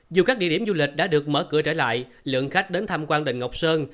dù các địa điểm du lịch đã được mở cửa trở lại lượng khách đến tham quan đình ngọc sơn